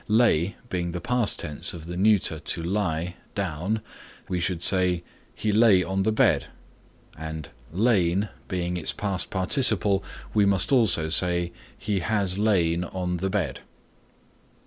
Lay being the past tense of the neuter to lie (down) we should say, "He lay on the bed," and lain being its past participle we must also say "He has lain on the bed."